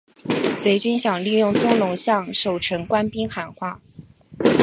贼军想利用宗龙向守城官兵喊话。